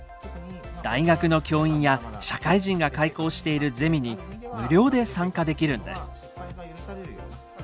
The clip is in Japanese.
大学の教員や社会人が開講しているゼミに無料で参加できるんです。